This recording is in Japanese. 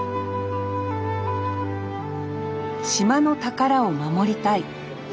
島の宝を守りたい。